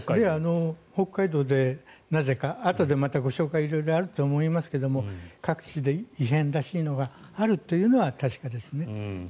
北海道でなぜかあとでまたご紹介が色々あると思いますが各地で異変らしいのがあるというのは確かですね。